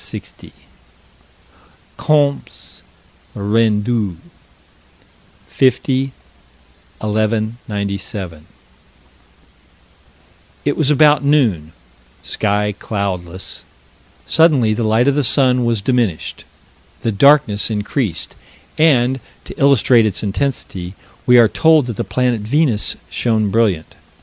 Comptes Rendus, 50 1197: It was about noon sky cloudless suddenly the light of the sun was diminished. The darkness increased, and, to illustrate its intensity, we are told that the planet Venus shone brilliant.